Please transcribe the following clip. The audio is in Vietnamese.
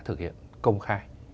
để thực hiện công khai